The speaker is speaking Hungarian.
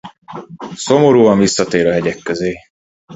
Szomorúan visszatér a hegyek közé.